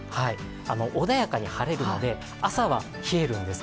穏やかに晴れるので朝は冷えるんです。